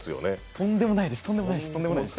とんでもないです。